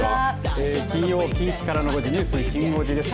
金曜、近畿からの５時ニュースきん５時です。